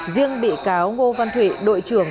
riêng bị cáo ngô văn thủy đội trưởng